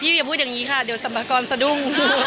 พี่อย่าพูดอย่างนี้ค่ะเดี๋ยวสมปักกอนสดุ้ง